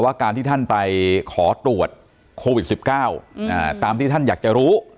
การที่ท่านไปขอตรวจโควิด๑๙ตามที่ท่านอยากจะรู้